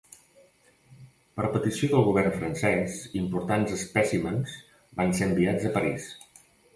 Per petició del govern francès importants espècimens van ser enviats a París.